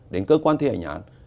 đến cơ quan thi hành hãn